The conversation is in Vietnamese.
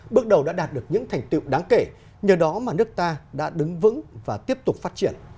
bước đầu đã đạt được những thành tiệu đáng kể nhờ đó mà nước ta đã đứng vững và tiếp tục phát triển